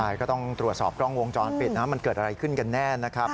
ใช่ก็ต้องตรวจสอบกล้องวงจรปิดนะมันเกิดอะไรขึ้นกันแน่นะครับ